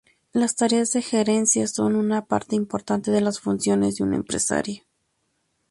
Las tareas de gerencia son una parte importante de las funciones de un empresario.